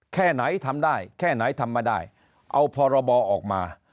แค่ไหนทำได้แค่ไหนทำไม่ได้เอาพรบออกมา